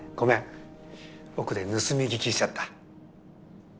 奥で盗み聞きしちゃった。